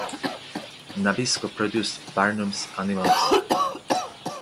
Nabisco produced "Barnum's Animals".